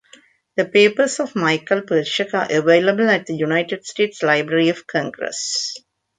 The papers of Michael Pertschuk are available at the United States Library of Congress.